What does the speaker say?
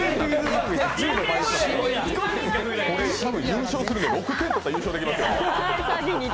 優勝するのに６点とかで優勝できますよ。